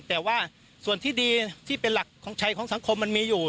แต่ว่าส่วนที่ดีที่เป็นหลักของชัยของสังคมมันมีอยู่